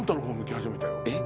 えっ？